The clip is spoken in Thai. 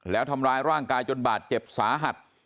แล้วทำร้ายร่างกายจนบาดเจ็บสาหัส